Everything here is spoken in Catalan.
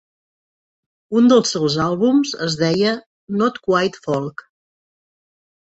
Un dels seus àlbums es deia "Not Quite Folk".